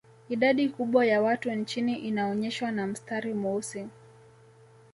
Idadi kubwa ya watu nchini inaonyeshwa na mstari mweusi